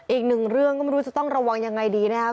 อีกหนึ่งเรื่องก็ไม่รู้จะต้องระวังยังไงดีนะครับ